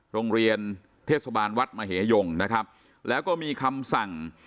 โรงเรียนเทศบาลวัดมเหยงนะครับแล้วก็มีคำสั่ง